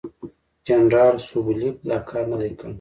جنرال سوبولیف دا کار نه دی کړی.